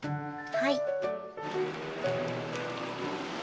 はい。